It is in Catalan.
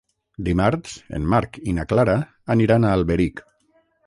Dimarts en Marc i na Clara aniran a Alberic.